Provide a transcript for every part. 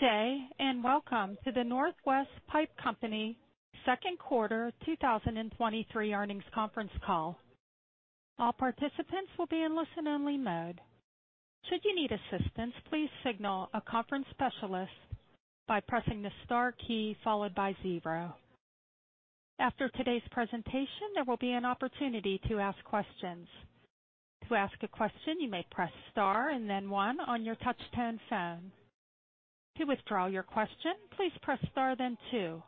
Good day, and welcome to the Northwest Pipe Company Second Quarter 2023 earnings conference call. All participants will be in listen-only mode. Should you need assistance, please signal a conference specialist by pressing the star key followed by zero. After today's presentation, there will be an opportunity to ask questions. To ask a question, you may press star and then one on your touchtone phone. To withdraw your question, please press star, then two.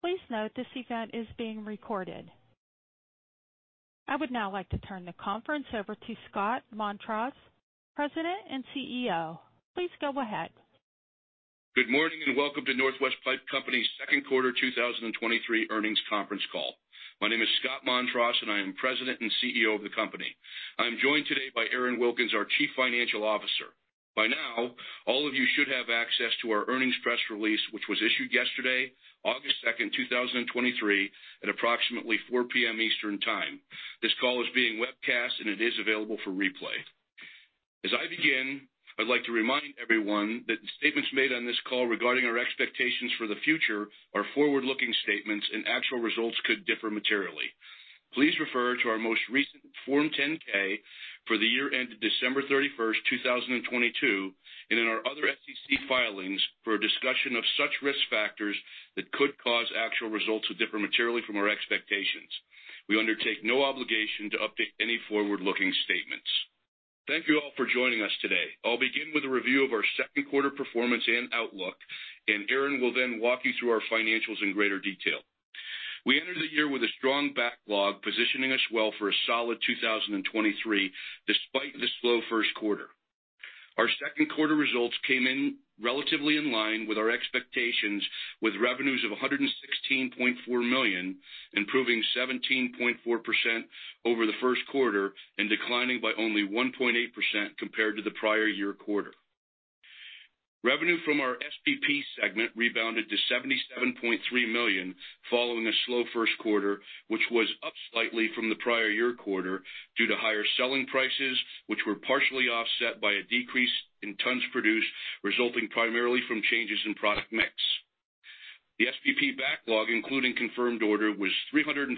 Please note this event is being recorded. I would now like to turn the conference over to Scott Montross, President and CEO. Please go ahead. Good morning, and welcome to Northwest Pipe Company's second quarter 2023 earnings conference call. My name is Scott Montross, and I am President and CEO of the company. I'm joined today by Aaron Wilkins, our Chief Financial Officer. By now, all of you should have access to our earnings press release, which was issued yesterday, August 2nd, 2023, at approximately 4:00 P.M. Eastern Time. This call is being webcast, and it is available for replay. As I begin, I'd like to remind everyone that the statements made on this call regarding our expectations for the future are forward-looking statements, and actual results could differ materially. Please refer to our most recent Form 10-K for the year ended December 31st, 2022, and in our other SEC filings for a discussion of such risk factors that could cause actual results to differ materially from our expectations. We undertake no obligation to update any forward-looking statements. Thank you all for joining us today. I'll begin with a review of our second quarter performance and outlook, and Aaron will then walk you through our financials in greater detail. We entered the year with a strong backlog, positioning us well for a solid 2023, despite the slow first quarter. Our second quarter results came in relatively in line with our expectations, with revenues of $116.4 million, improving 17.4% over the first quarter and declining by only 1.8% compared to the prior year quarter. Revenue from our SPP segment rebounded to $77.3 million, following a slow first quarter, which was up slightly from the prior year quarter due to higher selling prices, which were partially offset by a decrease in tons produced, resulting primarily from changes in product mix. The SPP backlog, including confirmed order, was $343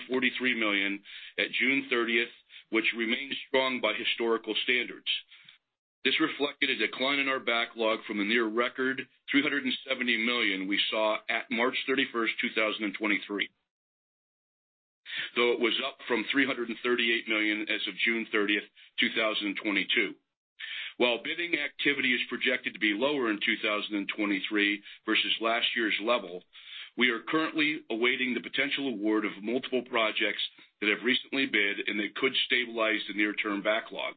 million at June 30th, which remains strong by historical standards. This reflected a decline in our backlog from the near record $370 million we saw at March 31st, 2023, though it was up from $338 million as of June 30th, 2022. While bidding activity is projected to be lower in 2023 versus last year's level, we are currently awaiting the potential award of multiple projects that have recently bid, and they could stabilize the near-term backlog.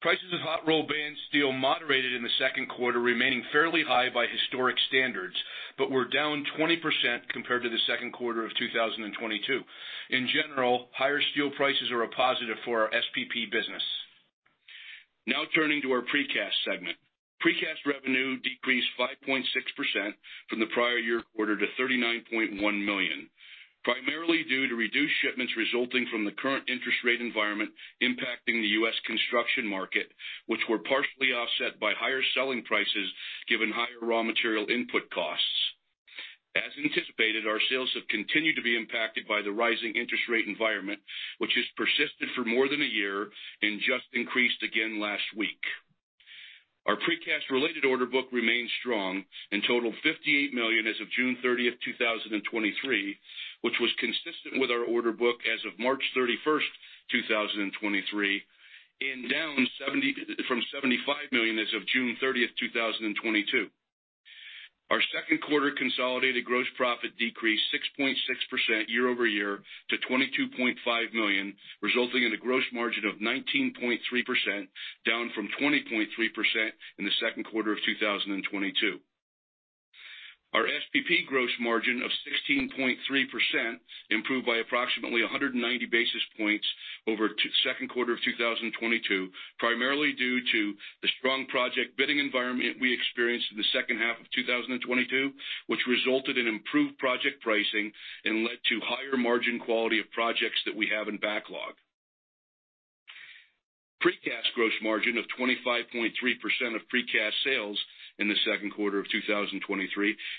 Prices of hot-rolled band steel moderated in the second quarter, remaining fairly high by historic standards, but were down 20% compared to the second quarter of 2022. In general, higher steel prices are a positive for our SPP business. Now turning to our Precast segment. Precast revenue decreased 5.6% from the prior year quarter to $39.1 million, primarily due to reduced shipments resulting from the current interest rate environment impacting the U.S. construction market, which were partially offset by higher selling prices given higher raw material input costs. As anticipated, our sales have continued to be impacted by the rising interest rate environment, which has persisted for more than a year and just increased again last week. Our Precast-related order book remains strong and totaled $58 million as of June 30th, 2023, which was consistent with our order book as of March 31st, 2023, and down from $75 million as of June 30th, 2022. Our second quarter consolidated gross profit decreased 6.6% year-over-year to $22.5 million, resulting in a gross margin of 19.3%, down from 20.3% in the second quarter of 2022. Our SPP gross margin of 16.3% improved by approximately 190 basis points over the second quarter of 2022, primarily due to the strong project bidding environment we experienced in the second half of 2022, which resulted in improved project pricing and led to higher margin quality of projects that we have in backlog. Precast gross margin of 25.3% of Precast sales in the second quarter of 2023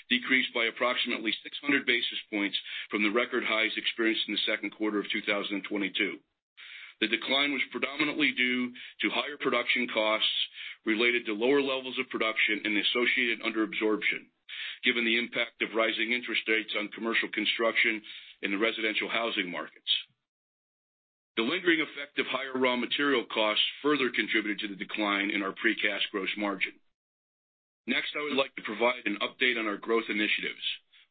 decreased by approximately 600 basis points from the record highs experienced in the second quarter of 2022. The decline was predominantly due to higher production costs related to lower levels of production and the associated under absorption, given the impact of rising interest rates on commercial construction in the residential housing markets. The lingering effect of higher raw material costs further contributed to the decline in our Precast gross margin. Next, I would like to provide an update on our growth initiatives.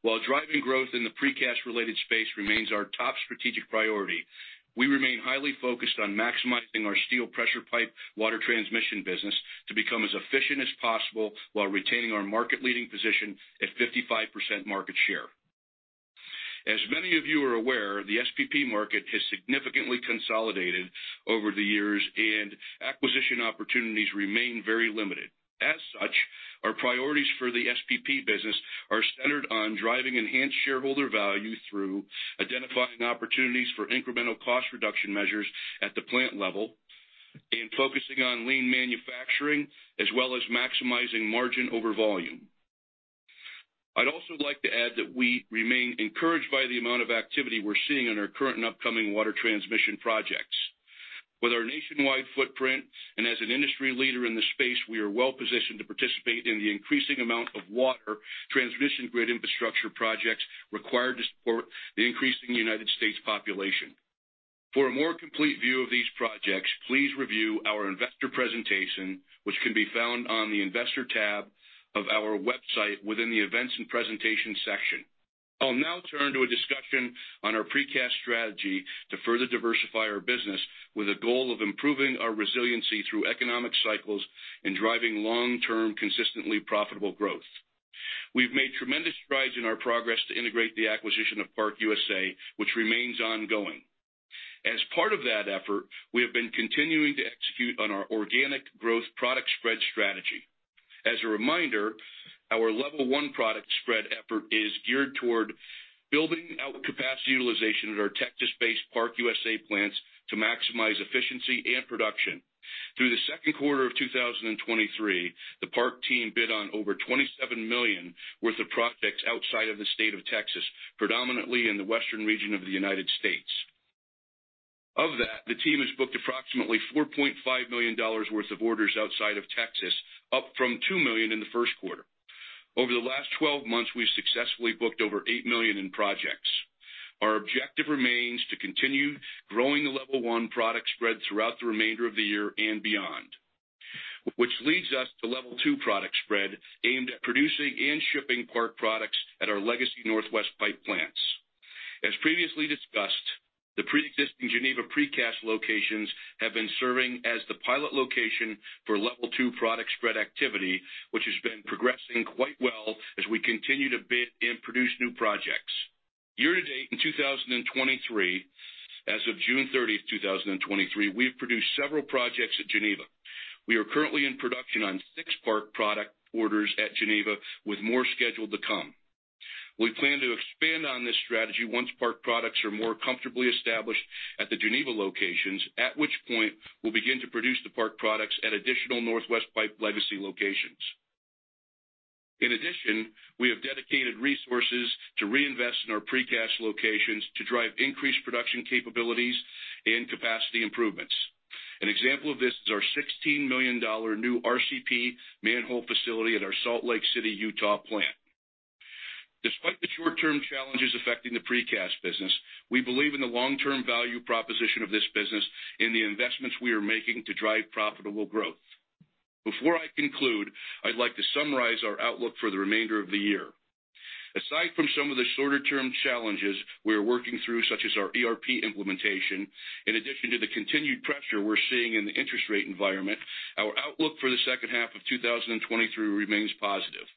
While driving growth in the Precast-related space remains our top strategic priority, we remain highly focused on maximizing our steel pressure pipe water transmission business to become as efficient as possible while retaining our market-leading position at 55% market share. As many of you are aware, the SPP market has significantly consolidated over the years and acquisition opportunities remain very limited. As such, our priorities for the SPP business are centered on driving enhanced shareholder value through identifying opportunities for incremental cost reduction measures at the plant level and focusing on lean manufacturing, as well as maximizing margin over volume. I'd also like to add that we remain encouraged by the amount of activity we're seeing on our current and upcoming water transmission projects. With our nationwide footprint and as an industry leader in the space, we are well positioned to participate in the increasing amount of water transmission grid infrastructure projects required to support the increasing United States population. For a more complete view of these projects, please review our investor presentation, which can be found on the Investor tab of our website within the Events and Presentation section. I'll now turn to a discussion on our Precast strategy to further diversify our business, with a goal of improving our resiliency through economic cycles and driving long-term, consistently profitable growth. We've made tremendous strides in our progress to integrate the acquisition of ParkUSA, which remains ongoing. As part of that effort, we have been continuing to execute on our organic growth product spread strategy. As a reminder, our level one product spread effort is geared toward building out capacity utilization at our Texas-based ParkUSA plants to maximize efficiency and production. Through the second quarter of 2023, the Park team bid on over $27 million worth of projects outside of the state of Texas, predominantly in the western region of the United States. Of that, the team has booked approximately $4.5 million worth of orders outside of Texas, up from $2 million in the first quarter. Over the last 12 months, we've successfully booked over $8 million in projects. Our objective remains to continue growing the level one product spread throughout the remainder of the year and beyond. leads us to level two product spread, aimed at producing and shipping Park products at our legacy Northwest Pipe plants. As previously discussed, the pre-existing Geneva Precast locations have been serving as the pilot location for level two product spread activity, which has been progressing quite well as we continue to bid and produce new projects. Year to date, in 2023, as of June 30th, 2023, we've produced several projects at Geneva. We are currently in production on six Park product orders at Geneva, with more scheduled to come. We plan to expand on this strategy once Park products are more comfortably established at the Geneva locations, at which point we'll begin to produce the Park products at additional Northwest Pipe legacy locations. we have dedicated resources to reinvest in our Precast locations to drive increased production capabilities and capacity improvements. An example of this is our $16 million new RCP manhole facility at our Salt Lake City, Utah plant. Despite the short-term challenges affecting the Precast business, we believe in the long-term value proposition of this business and the investments we are making to drive profitable growth. Before I conclude, I'd like to summarize our outlook for the remainder of the year. Aside from some of the shorter-term challenges we are working through, such as our ERP implementation, in addition to the continued pressure we're seeing in the interest rate environment, our outlook for the second half of 2023 remains positive.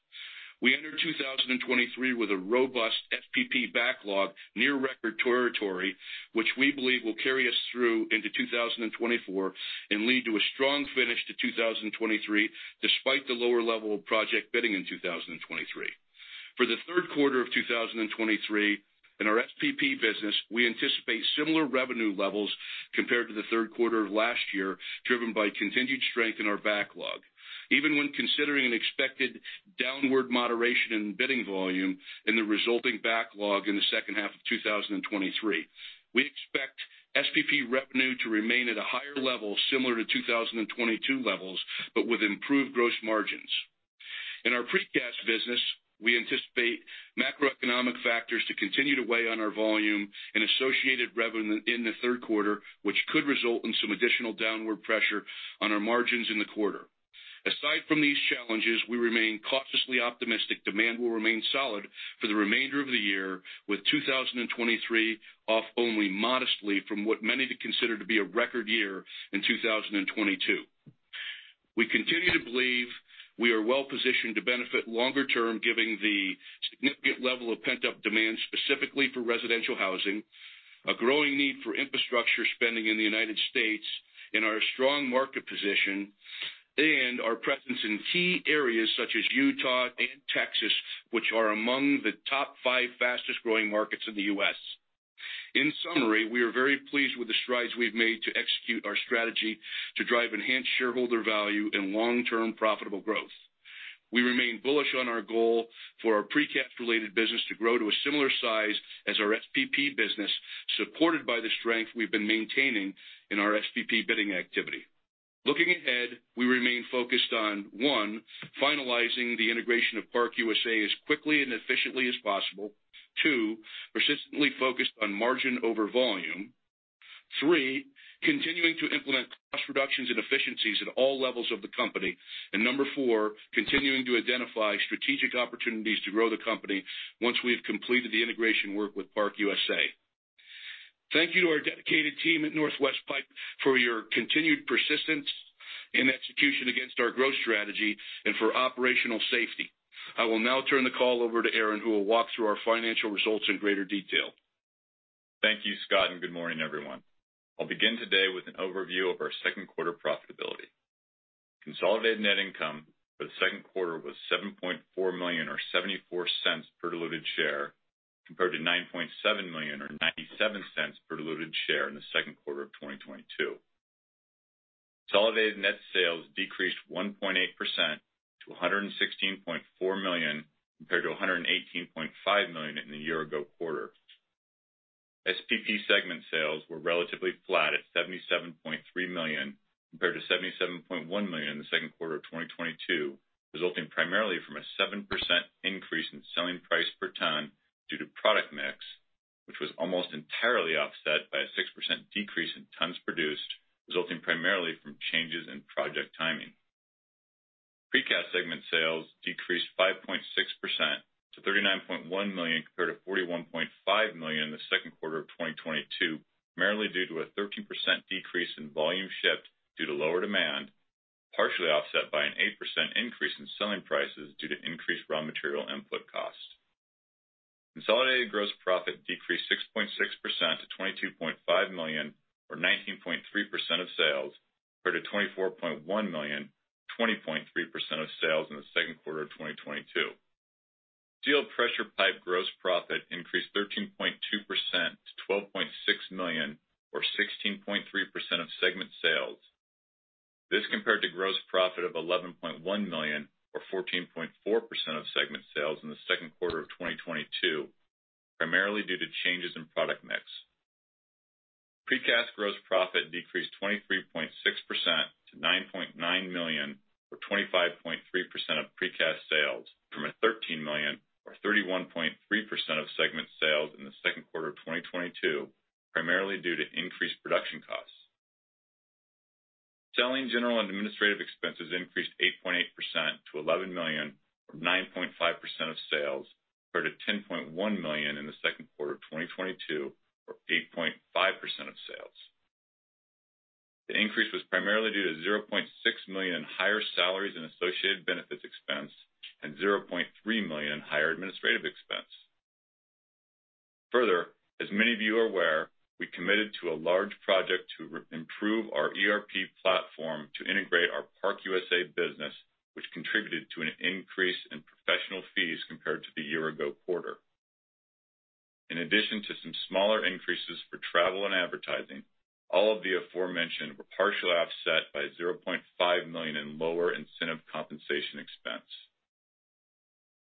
We entered 2023 with a robust SPP backlog, near record territory, which we believe will carry us through into 2024 and lead to a strong finish to 2023, despite the lower level of project bidding in 2023. For the third quarter of 2023, in our SPP business, we anticipate similar revenue levels compared to the third quarter of last year, driven by continued strength in our backlog, even when considering an expected downward moderation in bidding volume and the resulting backlog in the second half of 2023. We expect SPP revenue to remain at a higher level, similar to 2022 levels, but with improved gross margins. In our Precast business, we anticipate macroeconomic factors to continue to weigh on our volume and associated revenue in the third quarter, which could result in some additional downward pressure on our margins in the quarter. Aside from these challenges, we remain cautiously optimistic demand will remain solid for the remainder of the year, with 2023 off only modestly from what many would consider to be a record year in 2022. We continue to believe we are well positioned to benefit longer term, given the significant level of pent-up demand, specifically for residential housing, a growing need for infrastructure spending in the United States, and our strong market position, and our presence in key areas such as Utah and Texas, which are among the top five fastest growing markets in the U.S. In summary, we are very pleased with the strides we've made to execute our strategy to drive enhanced shareholder value and long-term profitable growth. We remain bullish on our goal for our Precast-related business to grow to a similar size as our SPP business, supported by the strength we've been maintaining in our SPP bidding activity. Looking ahead, we remain focused on, one, finalizing the integration of ParkUSA as quickly and efficiently as possible. Two, persistently focused on margin over volume. Three, continuing to implement cost reductions and efficiencies at all levels of the company. Number four, continuing to identify strategic opportunities to grow the company once we've completed the integration work with ParkUSA. Thank you to our dedicated team at Northwest Pipe for your continued persistence in execution against our growth strategy and for operational safety. I will now turn the call over to Aaron, who will walk through our financial results in greater detail. Thank you, Scott, good morning, everyone. I'll begin today with an overview of our second quarter profitability. Consolidated net income for the second quarter was $7.4 million or $0.74 per diluted share, compared to $9.7 million or $0.97 per diluted share in the second quarter of 2022. Consolidated net sales decreased 1.8% to $116.4 million, compared to $118.5 million in the year ago quarter. SPP segment sales were relatively flat at $77.3 million, compared to $77.1 million in the second quarter of 2022, resulting primarily from a 7% increase in selling price per ton due to product mix, which was almost entirely offset by a 6% decrease in tons produced, resulting primarily from changes in project timing. Precast segment sales decreased 5.6% to $39.1 million, compared to $41.5 million in the second quarter of 2022, primarily due to a 13% decrease in volume shipped due to lower demand, partially offset by an 8% increase in selling prices due to increased raw material input costs. Consolidated gross profit decreased 6.6% to $22.5 million, or 19.3% of sales, compared to $24.1 million, 20.3% of sales in the second quarter of 2022. steel pressure pipe gross profit increased 13.2% to $12.6 million, or 16.3% of segment sales. This compared to gross profit of $11.1 million, or 14.4% of segment sales in the second quarter of 2022, primarily due to changes in product mix. Precast gross profit decreased 23.6% to $9.9 million, or 25.3% of Precast sales, from a $13 million, or 31.3% of segment sales in the second quarter of 2022, primarily due to increased production costs. Selling, general, and administrative expenses increased 8.8% to $11 million, or 9.5% of sales, compared to $10.1 million in the second quarter of 2022, or 8.5% of sales. The increase was primarily due to $0.6 million in higher salaries and associated benefits expense, and $0.3 million in higher administrative expense. Further, as many of you are aware, we committed to a large project to improve our ERP platform to integrate our ParkUSA business, which contributed to an increase in professional fees compared to the year ago quarter. In addition to some smaller increases for travel and advertising, all of the aforementioned were partially offset by $0.5 million in lower incentive compensation expense.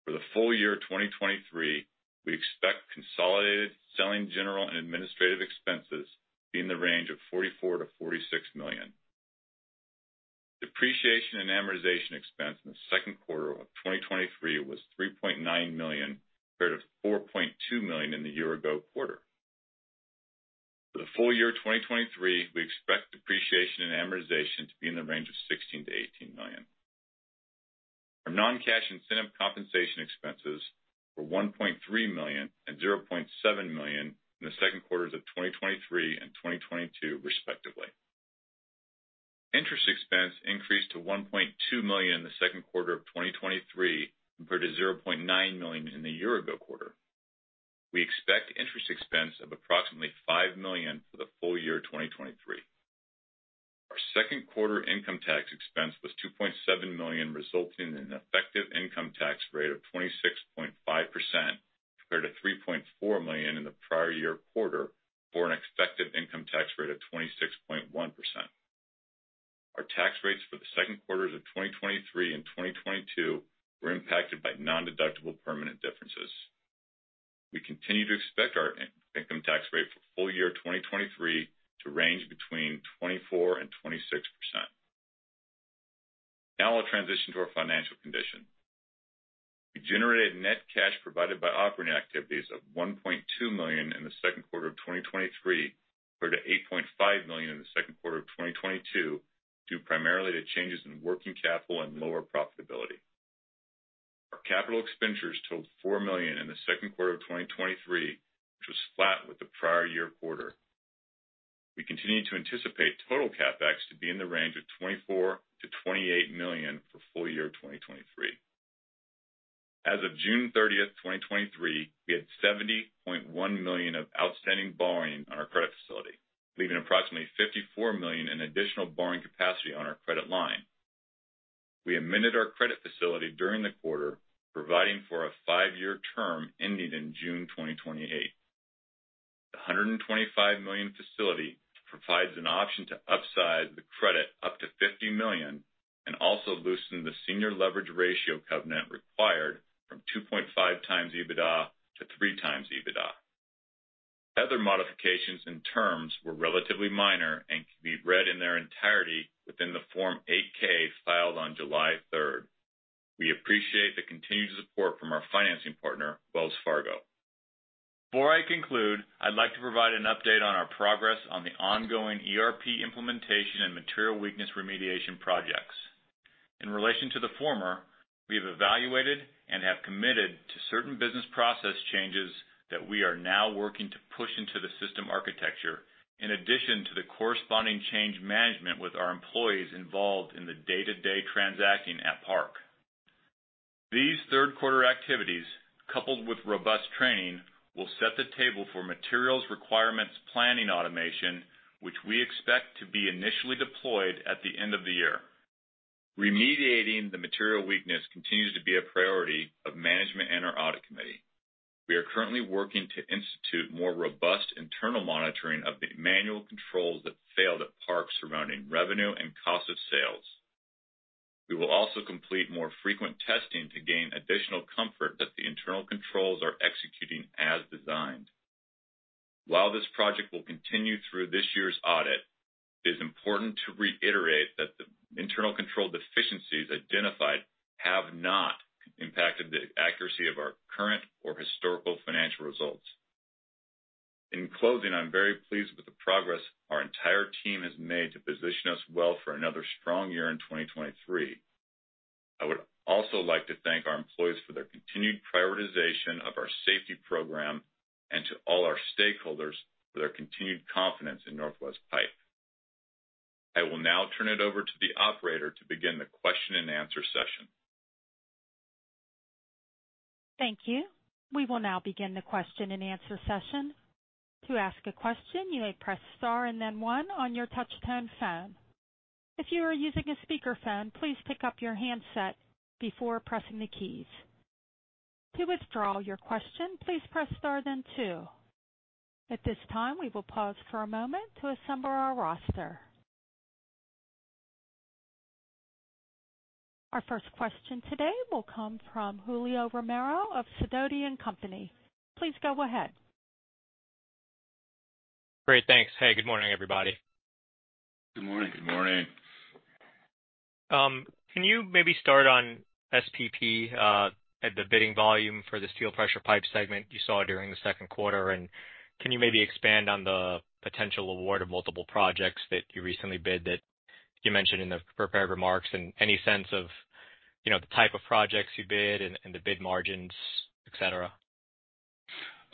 For the full year of 2023, we expect consolidated selling, general, and administrative expenses to be in the range of $44 million-$46 million. Depreciation and amortization expense in the second quarter of 2023 was $3.9 million, compared to $4.2 million in the year ago quarter. For the full year of 2023, we expect depreciation and amortization to be in the range of $16 million-$18 million. Our non-cash incentive compensation expenses were $1.3 million and $0.7 million in the second quarters of 2023 and 2022, respectively. Interest expense increased to $1.2 million in the second quarter of 2023, compared to $0.9 million in the year ago quarter. We expect interest expense of approximately $5 million for the full year of 2023. Our second quarter income tax expense was $2.7 million, resulting in an effective income tax rate of 26.5%, compared to $3.4 million in the prior year quarter, for an expected income tax rate of 26.1%. Our tax rates for the second quarters of 2023 and 2022 were impacted by nondeductible permanent differences. We continue to expect our income tax rate for full year 2023 to range between 24% and 26%. Now I'll transition to our financial condition. We generated net cash provided by operating activities of $1.2 million in the second quarter of 2023, compared to $8.5 million in the second quarter of 2022, due primarily to changes in working capital and lower profitability. Our capital expenditures totaled $4 million in the second quarter of 2023, which was flat with the prior year quarter. We continue to anticipate total CapEx to be in the range of $24 million-$28 million for full year 2023. As of June 30th, 2023, we had $70.1 million of outstanding borrowing on our credit facility, leaving approximately $54 million in additional borrowing capacity on our credit line. We amended our credit facility during the quarter, providing for a five-year term ending in June 2028. The $125 million facility provides an option to upside the credit up to $50 million and also loosen the senior leverage ratio covenant required from 2.5x EBITDA to 3x EBITDA. Other modifications and terms were relatively minor and can be read in their entirety within the Form 8-K, filed on July 3rd. We appreciate the continued support from our financing partner, Wells Fargo. Before I conclude, I'd like to provide an update on our progress on the ongoing ERP implementation and material weakness remediation projects. In relation to the former, we have evaluated and have committed to certain business process changes that we are now working to push into the system architecture, in addition to the corresponding change management with our employees involved in the day-to-day transacting at Park. These third quarter activities, coupled with robust training, will set the table for material requirements planning automation, which we expect to be initially deployed at the end of the year. Remediating the material weakness continues to be a priority of management and our audit committee. We are currently working to institute more robust internal monitoring of the manual controls that failed at Park surrounding revenue and cost of sales. We will also complete more frequent testing to gain additional comfort that the internal controls are executing as designed. While this project will continue through this year's audit, it is important to reiterate that the internal control deficiencies identified have not impacted the accuracy of our current or historical financial results. In closing, I'm very pleased with the progress our entire team has made to position us well for another strong year in 2023. I would also like to thank our employees for their continued prioritization of our safety program and to all our stakeholders for their continued confidence in Northwest Pipe. I will now turn it over to the operator to begin the question-and-answer session. Thank you. We will now begin the question-and-answer session. To ask a question, you may press Star and then one on your touchtone phone. If you are using a speakerphone, please pick up your handset before pressing the keys. To withdraw your question, please press Star, then two. At this time, we will pause for a moment to assemble our roster. Our first question today will come from Julio Romero of Sidoti & Company. Please go ahead. Great. Thanks. Hey, good morning, everybody. Good morning. Good morning. Can you maybe start on SPP, at the bidding volume for the steel pressure pipe segment you saw during the second quarter? Can you maybe expand on the potential award of multiple projects that you recently bid that you mentioned in the prepared remarks, and any sense of, you know, the type of projects you bid and the bid margins, et cetera?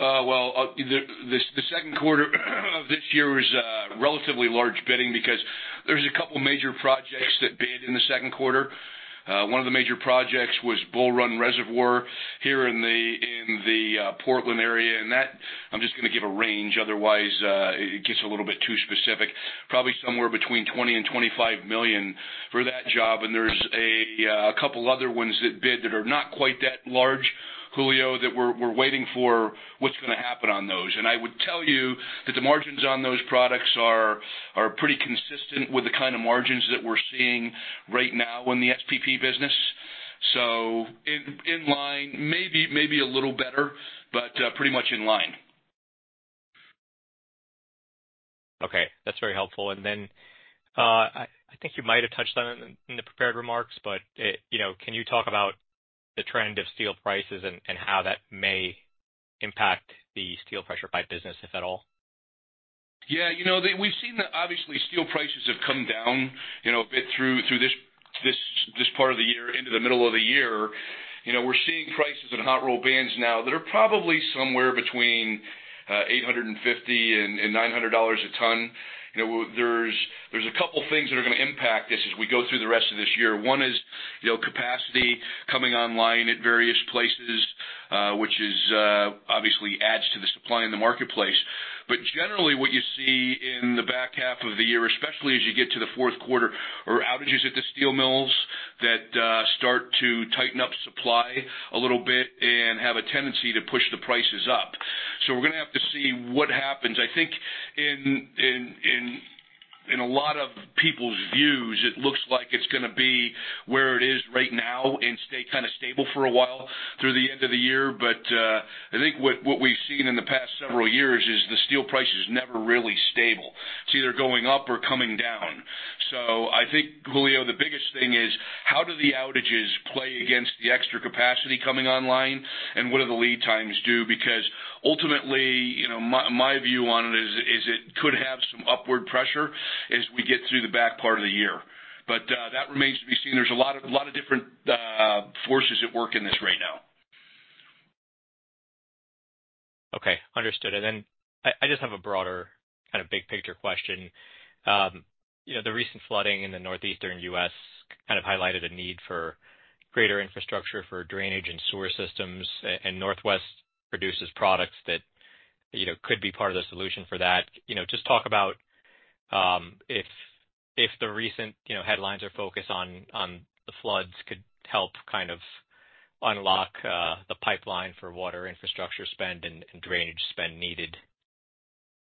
Well, the second quarter of this year was relatively large bidding because there's a couple major projects that bid in the second quarter. One of the major projects was Bull Run Reservoir here in the, in the Portland area. That I'm just gonna give a range, otherwise, it gets a little bit too specific. Probably somewhere between $20 million-$25 million for that job. There's a couple other ones that bid that are not quite that large, Julio, that we're, we're waiting for what's gonna happen on those. I would tell you that the margins on those products are, are pretty consistent with the kind of margins that we're seeing right now in the SPP business. In, in line, maybe, maybe a little better, but pretty much in line. Okay, that's very helpful. I, I think you might have touched on it in the prepared remarks, but, it, you know, can you talk about the trend of steel prices and, and how that may impact the steel pressure pipe business, if at all? Yeah, you know, we've seen that obviously steel prices have come down, you know, a bit through, through this, this, this part of the year into the middle of the year. You know, we're seeing prices in hot-rolled bands now that are probably somewhere between $850 and $900 a ton. You know, there's, there's a couple of things that are gonna impact this as we go through the rest of this year. One is, you know, capacity coming online at various places, which is obviously adds to the supply in the marketplace. Generally, what you see in the back half of the year, especially as you get to the fourth quarter, are outages at the steel mills that start to tighten up supply a little bit and have a tendency to push the prices up. We're gonna have to see what happens. I think in, in, in, in a lot of people's views, it looks like it's gonna be where it is right now and stay kind of stable for a while through the end of the year. I think what, what we've seen in the past several years is the steel price is never really stable. It's either going up or coming down. I think, Julio, the biggest thing is, how do the outages play against the extra capacity coming online? What do the lead times do? Because ultimately, you know, my, my view on it is, is it could have some upward pressure as we get through the back part of the year. That remains to be seen. There's a lot of, lot of different forces at work in this right now. Okay, understood. Then I, I just have a broader kind of big picture question. You know, the recent flooding in the Northeastern United States kind of highlighted a need for greater infrastructure for drainage and sewer systems, and Northwest Pipe produces products that, you know, could be part of the solution for that. You know, just talk about, if, if the recent, you know, headlines or focus on, on the floods could help kind of unlock the pipeline for water infrastructure spend and, and drainage spend needed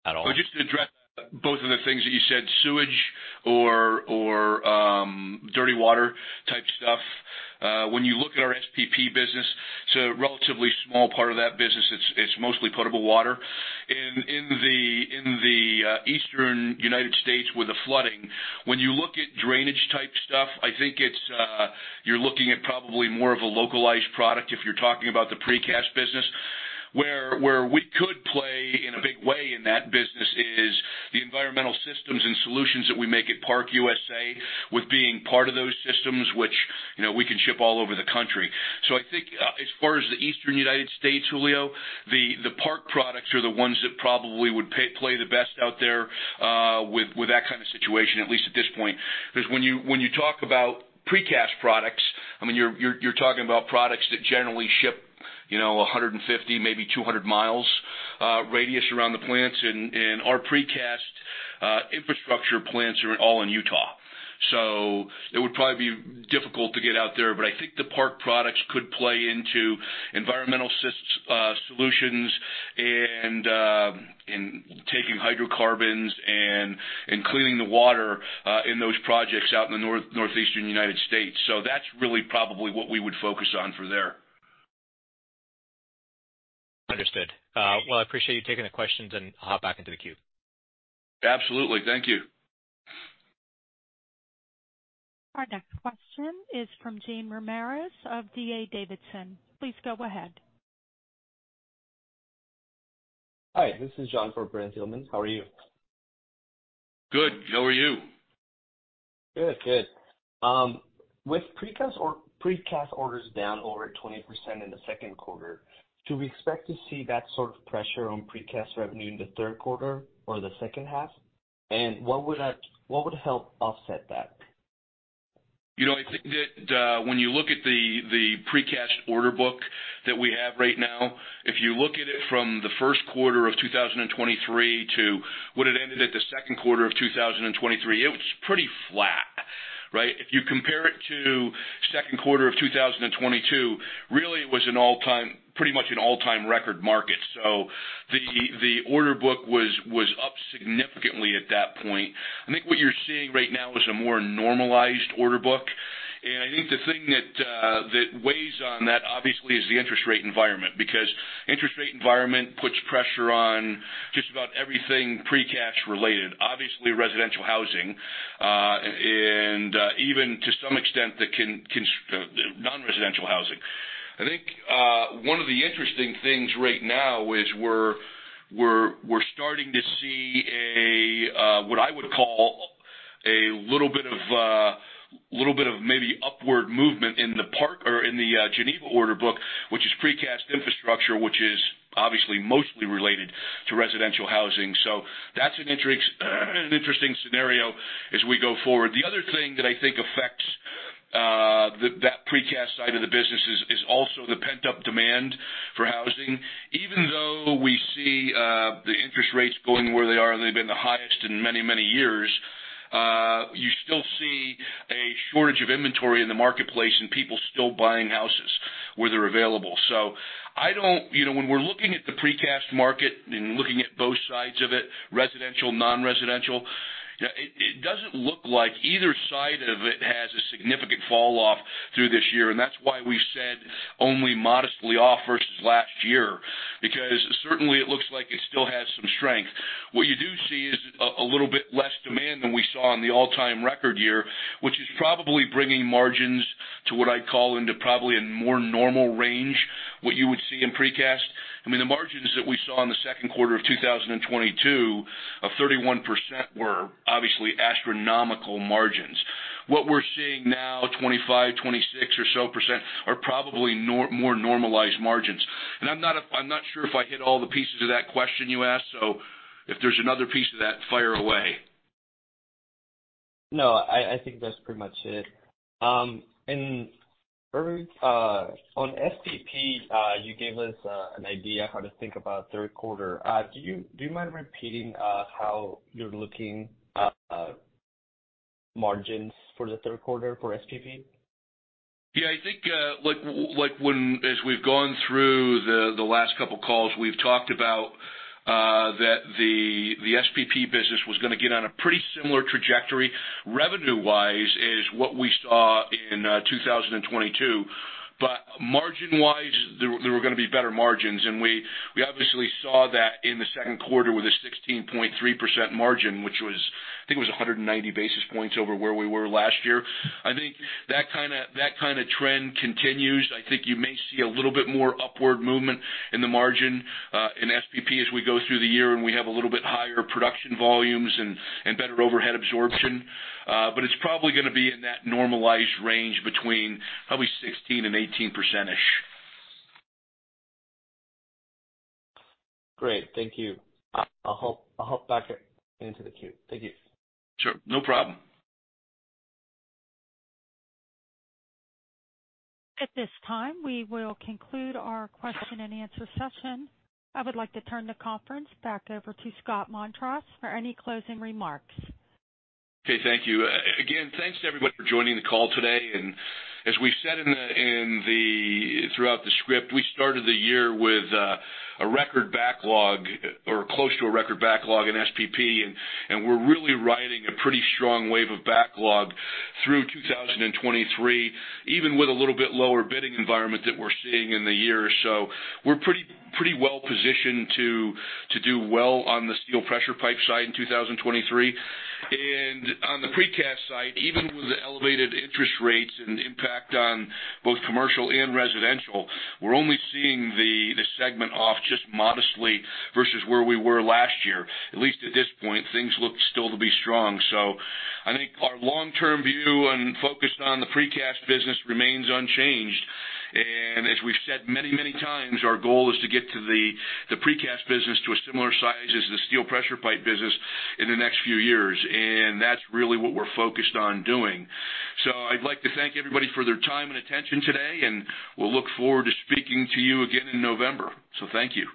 at all. Just to address both of the things that you said, sewage or, or dirty water-type stuff, when you look at our SPP business, it's a relatively small part of that business. It's, it's mostly potable water. In, in the, in the eastern United States with the flooding, when you look at drainage-type stuff, I think it's, you're looking at probably more of a localized product if you're talking about the Precast business. Where, where we could play in a big way in that business is the environmental systems and solutions that we make at ParkUSA, with being part of those systems, which, you know, we can ship all over the country. I think, as far as the eastern United States, Julio, the Park products are the ones that probably would pa- play the best out there with that kind of situation, at least at this point. Because when you, when you talk about Precast products, I mean, you're, you're, you're talking about products that generally ship- you know, 150, maybe 200 miles radius around the plants, and our Precast infrastructure plants are all in Utah. It would probably be difficult to get out there, but I think the Park products could play into environmental sys-- solutions and, and taking hydrocarbons and, and cleaning the water in those projects out in the Northeastern United States. That's really probably what we would focus on for there. Understood. Well, I appreciate you taking the questions, and I'll hop back into the queue. Absolutely. Thank you. Our next question is from Jean Ramirez of D.A. Davidson. Please go ahead. Hi, this is Jean for Brent Thielman. How are you? Good. How are you? Good, good. With Precast or Precast orders down over 20% in the second quarter, do we expect to see that sort of pressure on Precast revenue in the third quarter or the second half? What would help offset that? You know, I think that, when you look at the, the Precast order book that we have right now, if you look at it from the first quarter of 2023 to what it ended at the second quarter of 2023, it was pretty flat, right? If you compare it to second quarter of 2022, really, it was an all-time, pretty much an all-time record market. The, the order book was, was up significantly at that point. I think what you're seeing right now is a more normalized order book, and I think the thing that, that weighs on that, obviously, is the interest rate environment, because interest rate environment puts pressure on just about everything Precast related, obviously residential housing, and, even to some extent, the non-residential housing. I think, one of the interesting things right now is we're, we're, we're starting to see a, what I would call a little bit of, little bit of maybe upward movement in the Park or in the Geneva order book, which is Precast infrastructure, which is obviously mostly related to residential housing. That's an interesting scenario as we go forward. The other thing that I think affects, the, that Precast side of the business is, is also the pent-up demand for housing. Even though we see, the interest rates going where they are, they've been the highest in many, many years, you still see a shortage of inventory in the marketplace and people still buying houses where they're available. I don't... You know, when we're looking at the Precast market and looking at both sides of it, residential, non-residential, yeah, it, it doesn't look like either side of it has a significant fall off through this year, and that's why we've said only modestly off versus last year, because certainly it looks like it still has some strength. What you do see is a, a little bit less demand than we saw in the all-time record year, which is probably bringing margins to what I'd call into probably a more normal range, what you would see in Precast. I mean, the margins that we saw in the second quarter of 2022, of 31%, were obviously astronomical margins. What we're seeing now, 25%, 26% or so, are probably more normalized margins. I'm not, I'm not sure if I hit all the pieces of that question you asked, so if there's another piece of that, fire away. No, I, I think that's pretty much it. On SPP, you gave us an idea of how to think about third quarter. Do you, do you mind repeating how you're looking at margins for the third quarter for SPP? Yeah. I think, we've gone through the, the last couple calls, we've talked about, that the, the SPP business was gonna get on a pretty similar trajectory, revenue-wise, is what we saw in, 2022. Margin-wise, there, there were gonna be better margins, and we, we obviously saw that in the second quarter with a 16.3% margin, which was, I think it was 190 basis points over where we were last year. I think that kind of, that kind of trend continues. I think you may see a little bit more upward movement in the margin, in SPP as we go through the year, and we have a little bit higher production volumes and, and better overhead absorption. It's probably gonna be in that normalized range between probably 16% and 18%-ish. Great. Thank you. I'll hop, I'll hop back into the queue. Thank you. Sure, no problem. At this time, we will conclude our question and answer session. I would like to turn the conference back over to Scott Montross for any closing remarks. Okay, thank you. Again, thanks to everybody for joining the call today, and as we've said in the, in the, throughout the script, we started the year with a record backlog or close to a record backlog in SPP, and we're really riding a pretty strong wave of backlog through 2023, even with a little bit lower bidding environment that we're seeing in the year. We're pretty, pretty well positioned to, to do well on the steel pressure pipe side in 2023. On the Precast side, even with the elevated interest rates and impact on both commercial and residential, we're only seeing the, the segment off just modestly versus where we were last year. At least at this point, things look still to be strong. I think our long-term view and focus on the Precast business remains unchanged, as we've said many, many times, our goal is to get to the, the Precast business to a similar size as the steel pressure pipe business in the next few years. That's really what we're focused on doing. I'd like to thank everybody for their time and attention today, we'll look forward to speaking to you again in November. Thank you.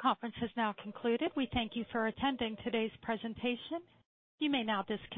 Conference has now concluded. We thank you for attending today's presentation. You may now disconnect.